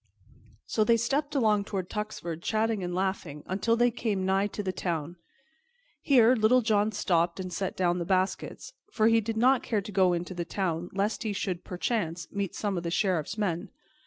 So they stepped along toward Tuxford, chatting and laughing, until they came nigh to the town. Here Little John stopped and set down the baskets, for he did not care to go into the town lest he should, perchance, meet some of the Sheriff's men.